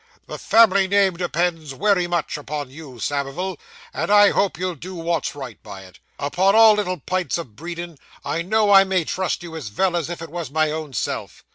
The family name depends wery much upon you, Samivel, and I hope you'll do wot's right by it. Upon all little pints o' breedin', I know I may trust you as vell as if it was my own self.